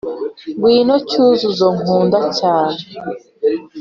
Ngwino Cyuzuzo nkunda cyane